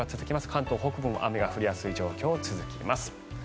関東北部も雨が降りやすい状況が続きます。